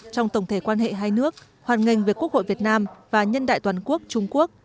trong tổng thể quan hệ hai nước hoàn ngành với quốc hội việt nam và nhân đại toàn quốc trung quốc